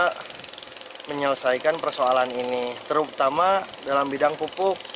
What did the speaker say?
kita menyelesaikan persoalan ini terutama dalam bidang pupuk